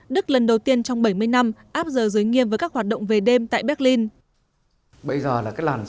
đức lần đầu tiên trong bảy mươi năm áp giờ dưới nghiêm với các hoạt động về đêm tại berlin